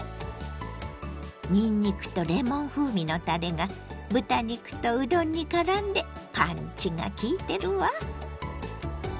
にんにくとレモン風味のたれが豚肉とうどんにからんでパンチがきいてるわ！